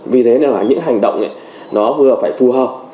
vì thế nên là những hành động ấy nó vừa phải phù hợp